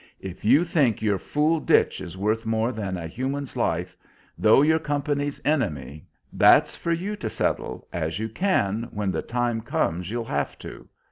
If you think your fool ditch is worth more than a Human's life, though your company's enemy, that's for you to settle as you can when the time comes you'll have to.